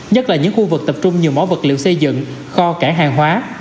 nhất là những khu vực tập trung nhiều mỏ vật liệu xây dựng kho cảng hàng hóa